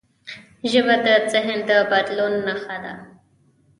ژبه د ذهن د بدلون نښه ده.